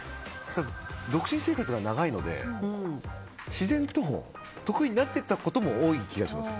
独身生活が長いので自然と得意になっていったことも多い気がします。